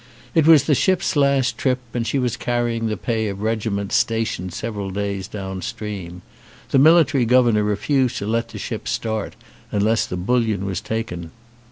It was the ship's last trip and she was carrying the pay of regiments stationed several days down stream. The military governor refused to let the ship start unless the bullion was taken.